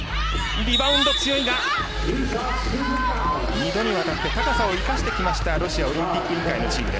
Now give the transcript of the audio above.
２度にわたって高さを生かしてきましたロシアオリンピック委員会のチーム。